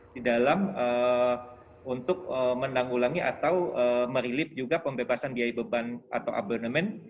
di dalam untuk menanggulangi atau merilip juga pembebasan biaya beban atau abonemen